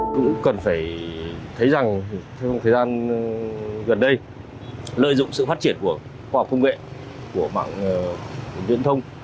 cũng cần phải thấy rằng trong thời gian gần đây lợi dụng sự phát triển của khoa học công nghệ của mạng viễn thông